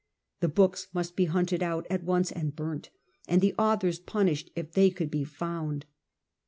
The books must be hunted out at once and burnt, and the authors punished if they could be found.